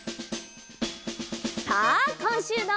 さあこんしゅうの。